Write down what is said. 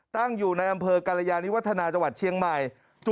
ตั้งอยู่ในอำเภอกรยานิวัฒนาจังหวัดเชียงใหม่